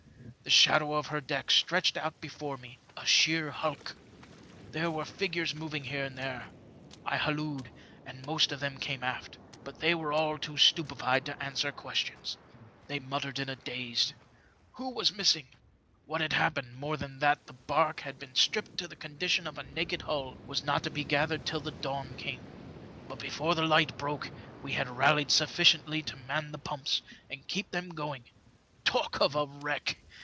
The shadow of her deck stretched out before me — a sheer hulk ! There were figures moving here and there. I halloed, and most of them came aft. But they were all too stupefied to answer questions; they muttered in a dazed way. Who was missing, what had happened more than that the barque had been stripped to the condition of a naked hull, was FOUL OF A WATERSPOUT, 83 not to be gathered till the dawn came. But before the light broke we had rallied suflBciently to man the pumps and keep them going. Talk of a wreck